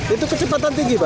itu kecepatan tinggi pak